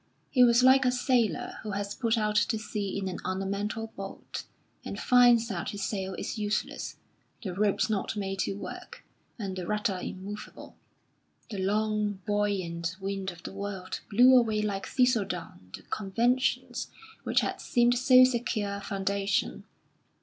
He was like a sailor who has put out to sea in an ornamental boat, and finds that his sail is useless, the ropes not made to work, and the rudder immovable. The long, buoyant wind of the world blew away like thistle down the conventions which had seemed so secure a foundation.